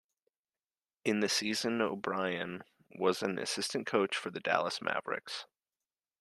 In the season, O'Brien was an assistant coach for the Dallas Mavericks.